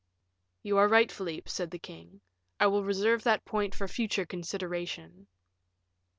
"You are right, Philip," said the king; "I will reserve that point for future consideration."